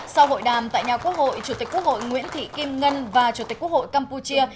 sau hội đàm tại nhà quốc hội chủ tịch quốc hội nguyễn thị kim ngân và chủ tịch quốc hội campuchia